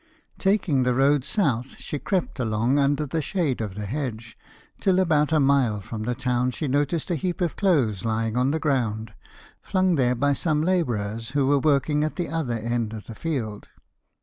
Taking the road south she crept along under the shade of the hedge, till about a mile from the town she noticed a heap of clothes lying on the ground, flung there by some labourers who were working at the other end of the field.